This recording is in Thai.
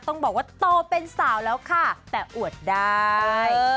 ต้องบอกว่าโตเป็นสาวแล้วค่ะแต่อวดได้